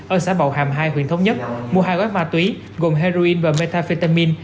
ở xã bầu hàm hai huyện thống nhất mua hai gói ma túy gồm heroin và metafetamin